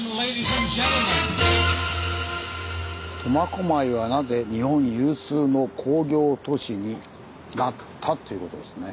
「苫小牧はなぜ日本有数の工業都市になった？」ということですね。